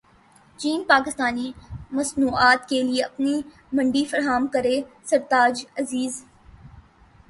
چین پاکستانی مصنوعات کیلئے اپنی منڈی فراہم کرے سرتاج عزیز